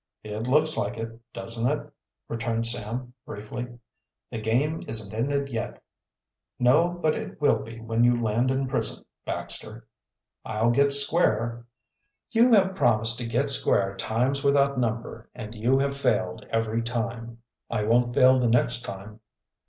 "It looks like it, doesn't it?" returned Sam briefly. "The game isn't ended yet." "No, but it will be when you land in prison, Baxter." "I'll get square." "You have promised to get square times without number and you have failed every time." "I won't fail the next time."